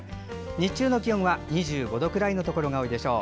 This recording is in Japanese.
日中の気温は２５度くらいのところが多いでしょう。